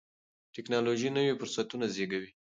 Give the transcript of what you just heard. ټیکنالوژي نوي فرصتونه زیږوي.